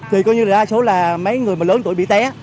thì coi như là đa số là mấy người mà lớn tuổi bị té